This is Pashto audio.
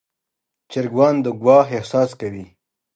چرګان د ګواښ احساس کوي.